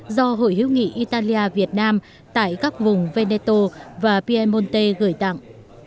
do hội hiếu nghị italia việt nam tại các vùng veneto và piemonte gửi tặng